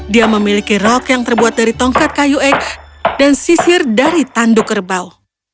dia memiliki rok yang terbuat dari tongkat kayu ek dan sisir dari tanduk kerbau